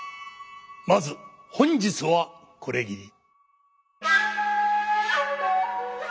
まず本日はこれぎり。